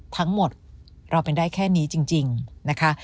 ทั้งหมดเราเป็นได้แค่นี้จริงนะคะ